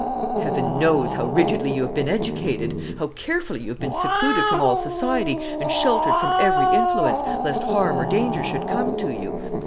"Heaven knows how rigidly you have been educated; how carefully you have been secluded from all society, and sheltered from every influence, lest harm or danger should come to you.